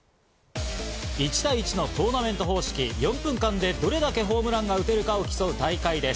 １対１のトーナメント方式、４分間でどれだけホームランが打てるかを競う大会です。